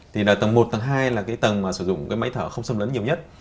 thì tầng một tầng hai là tầng sử dụng máy thở không xâm lấn nhiều nhất